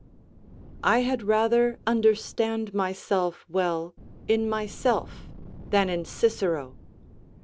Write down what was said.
I had rather understand myself well in myself, than in Cicero.